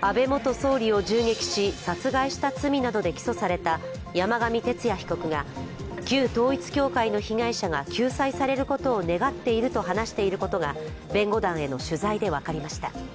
安倍元総理を銃撃し、殺害した罪などで起訴された山上徹也被告が、旧統一教会の被害者が救済されることを願っていると話していることが弁護団への取材で分かりました。